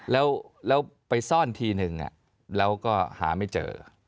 แล้วไปซ่อนทีนึงเราก็หาไม่เจอ